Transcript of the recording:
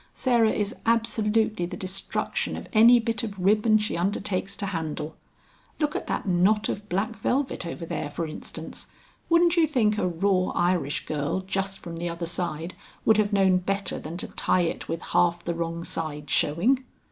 Sarah is absolutely the destruction of any bit of ribbon she undertakes to handle. Look at that knot of black velvet over there for instance, wouldn't you think a raw Irish girl just from the other side would have known better than to tie it with half the wrong side showing?"